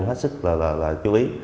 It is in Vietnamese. hết sức là chú ý